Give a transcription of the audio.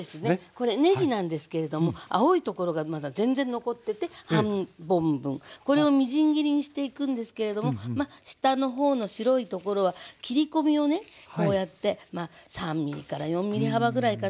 これねぎなんですけれども青いところがまだ全然残ってて半本分これをみじん切りにしていくんですけれども下のほうの白いところは切り込みをねこうやって３ｍｍから４ｍｍ幅ぐらいかな。